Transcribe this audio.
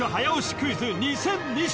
クイズ２０２０